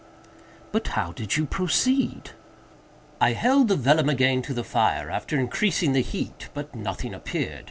"But how did you proceed?" "I held the vellum again to the fire, after increasing the heat; but nothing appeared.